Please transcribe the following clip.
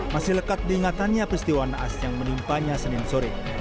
masih lekat diingatannya peristiwa naas yang menimpanya senin sore